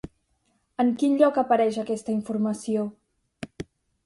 En quin lloc apareix aquesta informació?